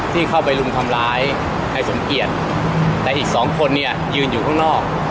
ที่เข้าไปรุมทำร้ายนายสมเกียจแต่อีกสองคนเนี่ยยืนอยู่ข้างนอก